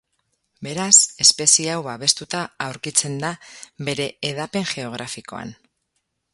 Beraz, espezie hau babestuta aurkitzen da bere hedapen geografikoan.